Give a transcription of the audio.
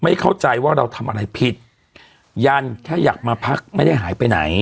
เข้าใจว่าเราทำอะไรผิดยันแค่อยากมาพักไม่ได้หายไปไหน